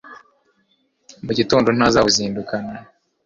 mu gitondo nkazawuzindukana